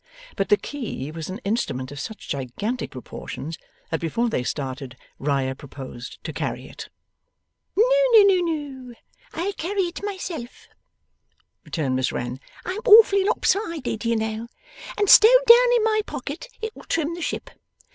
But the key was an instrument of such gigantic proportions, that before they started Riah proposed to carry it. 'No, no, no! I'll carry it myself,' returned Miss Wren. 'I'm awfully lopsided, you know, and stowed down in my pocket it'll trim the ship.